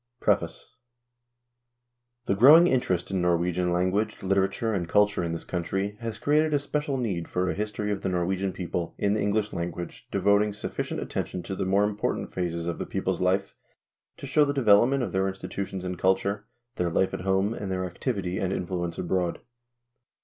PREFACE The growing interest in Norwegian language, literature, and culture in this country has created a special need for a history of the Norwegian people in the English language devoting sufficient attention to the more important phases of the people's life to show the development of their institutions and culture, their life at home, and their activity and influence abroad.